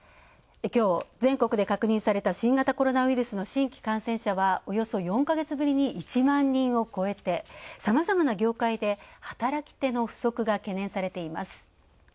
きょう、全国で確認された新型コロナウイルスの新規感染者数はおよそ４ヶ月ぶりに１万人を超えてさまざまな業界で働き手の不足が懸念されています。